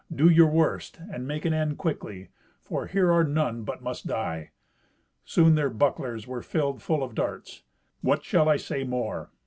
Do your worst, and make an end quickly, for here are none but must die." Soon their bucklers were filled full of darts. What shall I say more?